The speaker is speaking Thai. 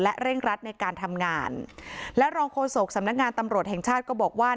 เร่งรัดในการทำงานและรองโฆษกสำนักงานตำรวจแห่งชาติก็บอกว่า